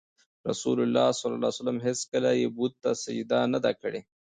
رسول الله ﷺ هېڅکله یې بت ته سجده نه ده کړې.